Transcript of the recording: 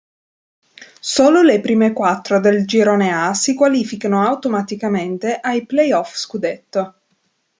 Solo le prime quattro del girone A si qualificano automaticamente ai playoff scudetto.